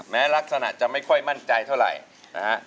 แม้ลักษณะจะไม่ค่อยมั่นใจเท่าไหร่นะฮะ